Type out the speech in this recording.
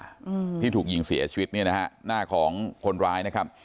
อืมที่ถูกยิงเสียชีวิตเนี่ยนะฮะหน้าของคนร้ายนะครับ